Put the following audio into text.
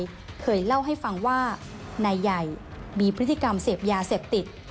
เคยเล่าให้ฟังว่านายใหญ่มีพฤติกรรมเสพยาเสพติด